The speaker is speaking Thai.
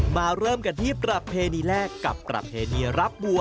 เริ่มกันที่ประเพณีแรกกับประเพณีรับบัว